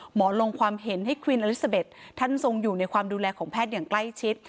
ลงความเห็นให้ควีนอลิซาเบ็ดท่านทรงอยู่ในความดูแลของแพทย์อย่างใกล้ชิด